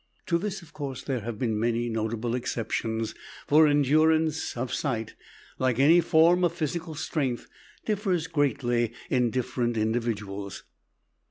To this, of course, there have been many notable exceptions, for endurance of sight, like any form of physical strength, differs greatly in different individuals.